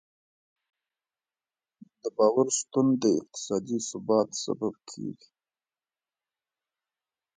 د باور شتون د اقتصادي ثبات سبب کېږي.